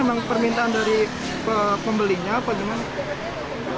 memang permintaan dari pembelinya